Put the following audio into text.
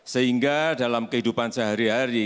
sehingga dalam kehidupan sehari hari